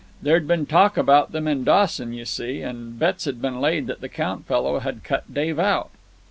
There'd been talk about them in Dawson, you see, and bets had been laid that the Count fellow had cut Dave out.